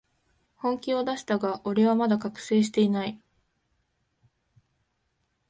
本気を出したが、俺はまだ覚醒してない